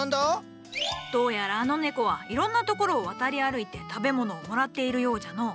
どうやらあの猫はいろんな所を渡り歩いて食べ物をもらっているようじゃの。